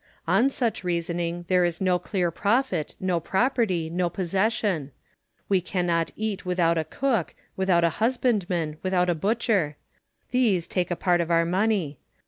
On such reasoning there is no clear profit, no property, no possession ; we cannot eat without a cook, without a husbandman, without a butcher : these take a part of our money.